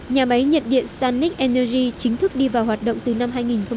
nhà máy nhiệt điện sanic energy chính thức đi vào hoạt động từ năm hai nghìn ba